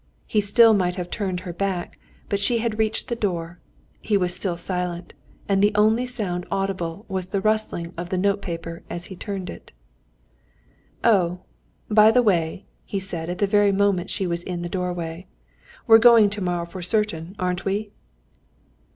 He still might have turned her back, but she had reached the door, he was still silent, and the only sound audible was the rustling of the note paper as he turned it. "Oh, by the way," he said at the very moment she was in the doorway, "we're going tomorrow for certain, aren't we?"